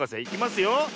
いきますよ。